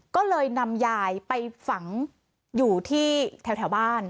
ก็เลยนำยายไปฝังอยู่ที่แถวบ้าน